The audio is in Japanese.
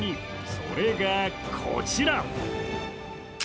それがこちら。